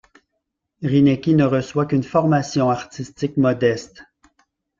Rynecki ne reçoit qu'une formation artistique modeste.